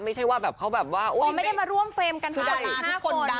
ไม่ได้มาร่วมเฟรมกัน๑๕คน